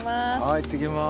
行ってきます。